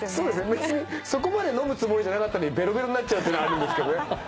別にそこまで飲むつもりじゃなかったのにベロベロになっちゃうっていうのあるんですけどね。